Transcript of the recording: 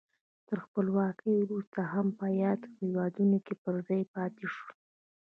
تر خپلواکۍ وروسته هم په یادو هېوادونو کې پر ځای پاتې شول.